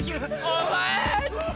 お前！